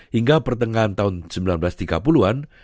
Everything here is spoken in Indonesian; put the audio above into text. hingga pertengahan tahun seribu sembilan ratus tiga puluh an